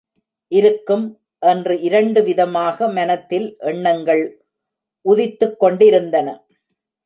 இருக்கும்! என்று இரண்டு விதமாக மனத்தில் எண்ணங்கள் உதித்துக் கொண்டிருந்தன.